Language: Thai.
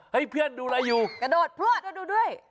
เฮ้ยเพื่อนดูอะไรอยู่กระโดดพลวทกระโดดพลวทดูด้วย